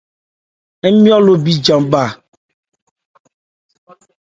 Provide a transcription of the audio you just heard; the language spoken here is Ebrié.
Nmɔya lo bíjan bha.